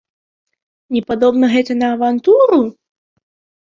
Не падобна гэта на авантуру?